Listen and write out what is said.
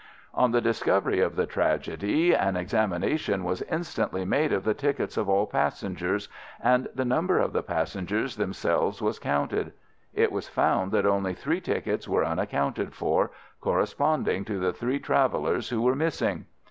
On the discovery of the tragedy an examination was instantly made of the tickets of all passengers, and the number of the passengers themselves was counted. It was found that only three tickets were unaccounted for, corresponding to the three travellers who were missing.